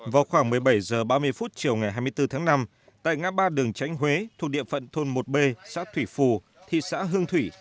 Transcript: vào khoảng một mươi bảy h ba mươi chiều ngày hai mươi bốn tháng năm tại ngã ba đường tránh huế thuộc địa phận thôn một b xã thủy phù thị xã hương thủy